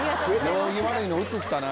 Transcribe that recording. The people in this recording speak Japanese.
行儀悪いの移ったな。